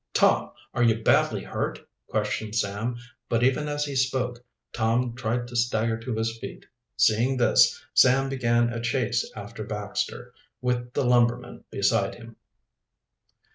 "Tom, are you badly hurt?" questioned Sam, but, even as he spoke, Tom tried to stagger to his feet. Seeing this, Sam began a chase after Baxter, with the lumberman beside him.